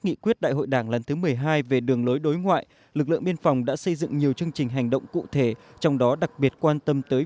lực lượng biên phòng đã xây dựng nhiều chương trình hành động cụ thể trong đó đặc biệt quan tâm tới